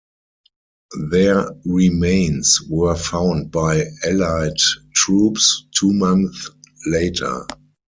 Their remains were found by Allied troops two months later.